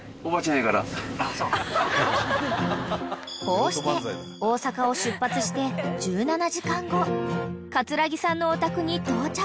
［こうして大阪を出発して１７時間後葛城さんのお宅に到着］